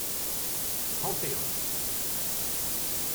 Trente et un.